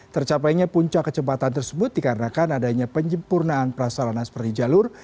tercapainya puncak kecepatan tersebut dikarenakan adanya penyempurnaan prasarana seperti jalur